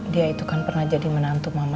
dia itu kan pernah jadi menantu mama yang maha